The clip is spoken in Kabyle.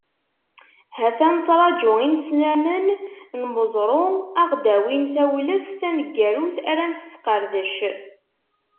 Ha-t-a nettraǧu inesramen n uẓru, ad aɣ-d-awin tawleft taneggarut ara nesqerdec.